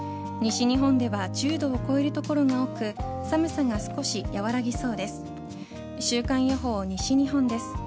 西日本では１０度を超える所が多く寒さが少し和らぎそうです。